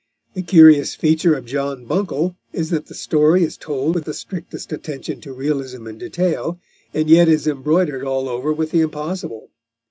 The curious feature of John Buncle is that the story is told with the strictest attention to realism and detail, and yet is embroidered all over with the impossible.